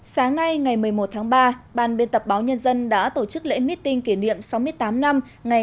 sáng nay ngày một mươi một tháng ba ban biên tập báo nhân dân đã tổ chức lễ meeting kỷ niệm sáu mươi tám năm ngày